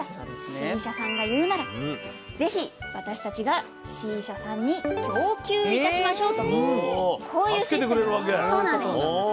Ｃ社さんが言うならぜひ私たちがＣ社さんに供給いたしましょう」とこういうシステムなんです。